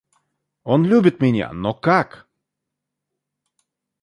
Он любит меня — но как?